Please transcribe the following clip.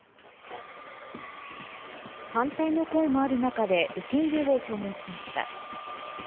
反対の声もある中で、受け入れを表明しました。